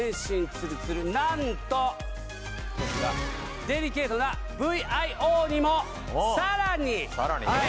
ツルツル何とこちらデリケートなＶＩＯにもさらにはいさらに？